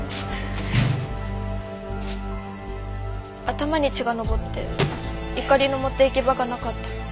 頭に血が上って怒りの持って行き場がなかった。